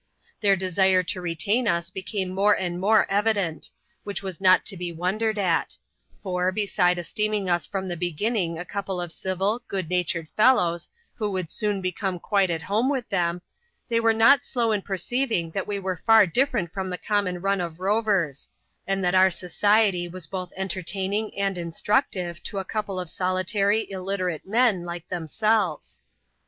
Their desire to retain us became more and more evident ; which was not to be wondered at ; for, beside esteeming us from the beginning a couple of civil, good natured fellows, who would soon become quite at home with them, they were not slow in perceiving that we were far different from the common run of rovers ; and that our society was both entertaining and instructive to a couple of solitary, illiterate men, like them selves.